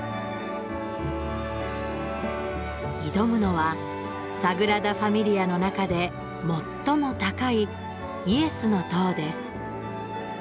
挑むのはサグラダ・ファミリアの中で最も高いイエスの塔です。